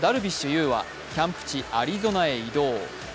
有はキャンプ地アリゾナへ移動。